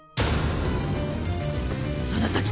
その時！